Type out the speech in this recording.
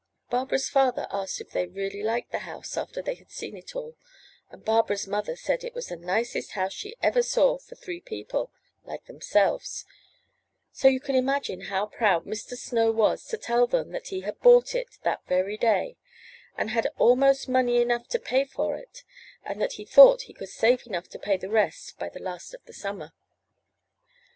Barbara's father asked if they really liked the house after they had seen it all, and Barbara's mother said it was the nicest house she ever saw for three people like themselves; so you can 435 MY BOOK HOUSE imagine how proud Mr. Snow was to tell them that he had bought it that very day, and had almost money enough to pay for it, and that he thought he could save enough to pay the rest by the last of the summer.